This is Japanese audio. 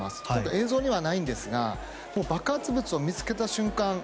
映像にはないんですが爆発物を見つけた瞬間